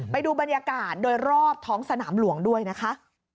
ไปดูบรรยากาศโดยรอบท้องสนามหลวงด้วยนะคะ